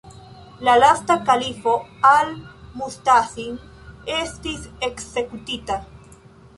La lasta kalifo Al-Mustasim estis ekzekutita.